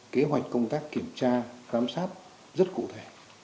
kế hoạch công tác kiểm tra giám sát rất cụ thể